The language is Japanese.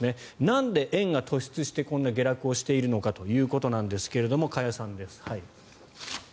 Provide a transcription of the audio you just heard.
なんで円が突出してこんなに下落しているのかということなんですが加谷さんです。